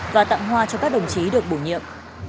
và tặng hoa cho các đồng chí được bổ nhiệm